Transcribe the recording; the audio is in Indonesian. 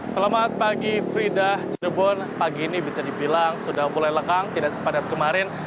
selamat pagi frida cirebon pagi ini bisa dibilang sudah mulai lekang tidak sepadat kemarin